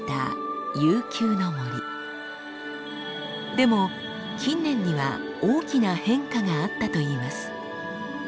でも近年には大きな変化があったといいます。